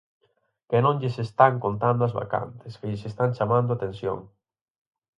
Que non lles están contando as vacantes, que lles están chamando a atención.